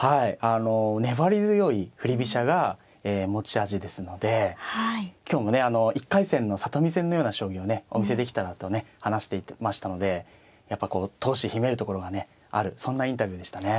あの粘り強い振り飛車が持ち味ですので今日もね１回戦の里見戦のような将棋をねお見せできたらとね話していましたのでやっぱこう闘志秘めるところがねあるそんなインタビューでしたね。